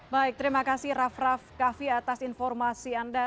baik terima kasih raff raff kaffi atas informasi anda